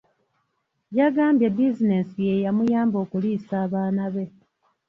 Yagambye bizinensi yeyamuyamba okuliisa abaana be.